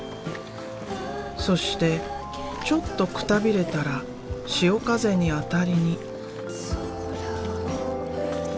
そしてちょっとくたびれたら潮風にあたりに。